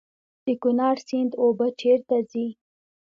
د کونړ سیند اوبه چیرته ځي؟